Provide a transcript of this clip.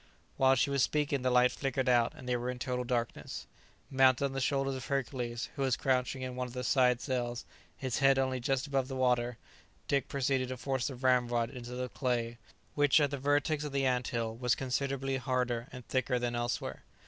While she was speaking the light flickered out, and they were in total darkness. Mounted on the shoulders of Hercules, who was crouching in one of the side cells, his head only just above water, Dick proceeded to force the ramrod into the clay, which at the vertex of the ant hill was considerably harder and thicker than elsewhere.